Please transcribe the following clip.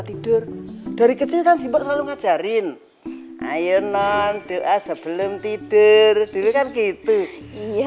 tidur dari kecilkan simpak selalu ngajarin ayo non doa sebelum tidur dulu kan gitu ya